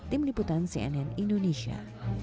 tim liputan cnn indonesia